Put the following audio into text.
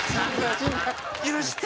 「許して！」